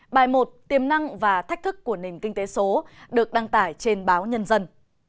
bài một tiềm năng và thách thức của nền kinh tế số được đăng tải trên báo nhân dân